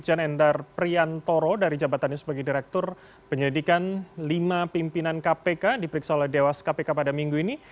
dan endar priantoro dari jabatannya sebagai direktur penyelidikan lima pimpinan kpk diperiksa oleh dewas kpk pada minggu ini